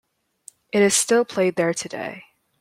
It is still played there today.